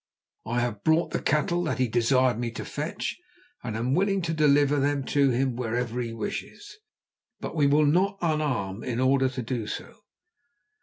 I have brought the cattle that he desired me to fetch, and I am willing to deliver them to him wherever he wishes, but we will not unarm in order to do so."